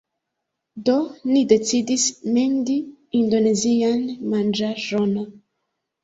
Do, ni decidis mendi indonezian manĝaĵon